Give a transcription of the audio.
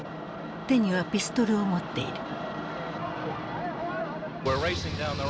手にはピストルを持っている。